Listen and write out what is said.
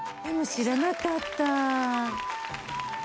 知らなかった！